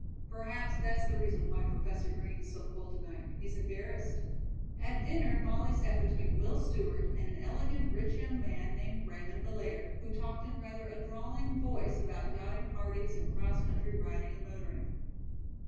"Perhaps that's the reason why Professor Green is so cold tonight. He's embarrassed." At dinner Molly sat between Will Stewart and an elegant, rich young man named Raymond Bellaire, who talked in rather a drawling voice about yachting parties and cross country riding and motoring.